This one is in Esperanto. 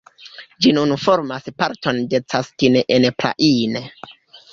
Ĝi nun formas parton de Castine-en-Plaine.